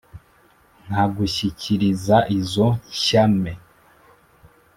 Nkagushyikiriza izo nshyame,